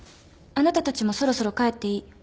あなたたちもそろそろ帰っていい。